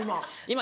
今。